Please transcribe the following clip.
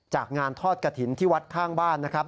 จากงานทอดกระถิ่นที่วัดข้างบ้านนะครับ